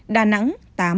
đà nẵng tám